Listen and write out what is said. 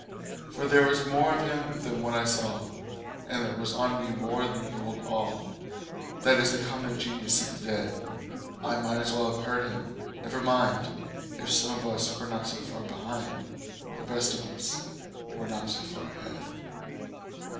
For there was more of him than what I saw. And there was on me more than the old awe That is the common genius of the dead. I might as well have heard him: "Never mind; If some of us were not so far behind, The rest of us were not so far ahead."